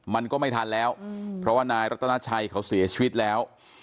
มันก็ไม่ทันแล้วเพราะว่านายรัตนาชัยเขาเสียชีวิตแล้ว